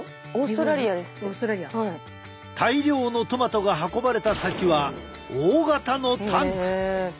大量のトマトが運ばれた先は大型のタンク！